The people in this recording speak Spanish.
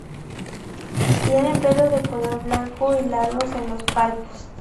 Tiene pelos de color blanco y largos en los palpos.